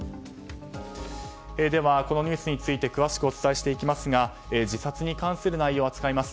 ではこのニュースについて詳しくお伝えしますが自殺に関する内容を扱います。